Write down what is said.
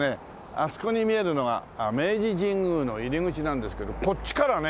あそこに見えるのが明治神宮の入り口なんですけどこっちからね